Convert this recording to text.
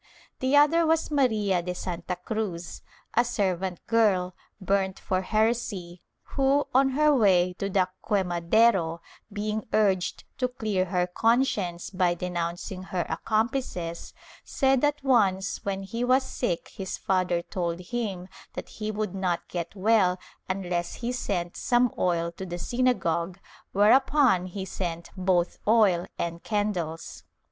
The other was Maria de Santa Cruz, a servant girl, burnt for heresy, who on her way to the quemadero, being urged to clear her conscience by denouncing her accomplices, said that once when he was sick his father told him that he would not get well unless he sent some oil to the synagogue, whereupon he sent both oil and candles.